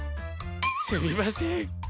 すみません。